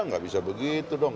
gak bisa begitu dong